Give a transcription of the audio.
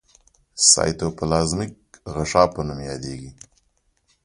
سایټوپلازمیک غشا په نوم یادیږي.